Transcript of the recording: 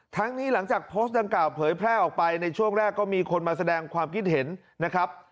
นี้หลังจากโพสต์ดังกล่าวเผยแพร่ออกไปในช่วงแรกก็มีคนมาแสดงความคิดเห็นนะครับ